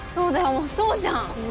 もうそうじゃん。